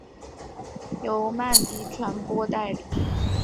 由曼迪传播代理。